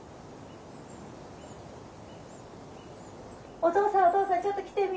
おとうさんおとうさんちょっと来てみ。